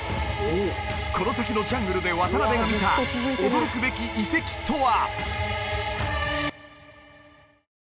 この先のジャングルで渡部が見た驚くべき遺跡とは！？